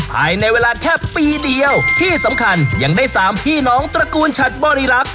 ภายในเวลาแค่ปีเดียวที่สำคัญยังได้สามพี่น้องตระกูลฉัดบริลักษ